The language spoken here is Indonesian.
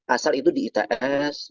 asal itu di its